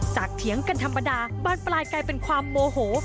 เถียงกันธรรมดาบานปลายกลายเป็นความโมโห